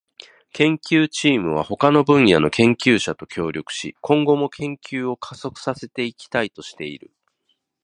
研究チームは他の分野の研究者と協力し、今後も研究を加速させていきたいとしている。